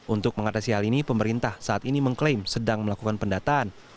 untuk mengatasi hal ini pemerintah saat ini mengklaim sedang melakukan pendataan